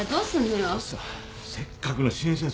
よせせっかくの親切を。